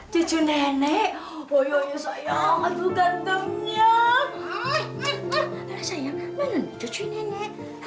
cucu nenek oh ya sayang itu gantengnya